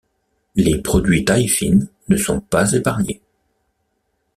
Les produits Taillefine ne sont pas épargnés.